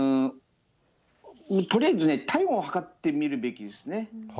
とりあえず体温を計ってみるべきですね。